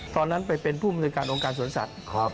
ตอนนั้นไปเป็นผู้บุคคลิกันองค์การสวนสัตว์ครอบ